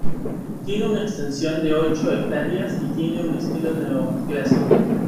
Tiene una extensión de ocho hectáreas y tiene un estilo neoclásico.